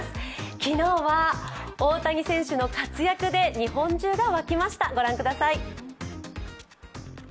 昨日は大谷選手の活躍で日本中が沸きました。